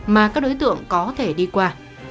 mà các đối tượng có thể đi qua